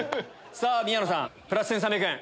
宮野さんプラス１３００円。